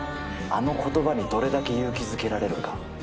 あのことばにどれだけ勇気づけられるか。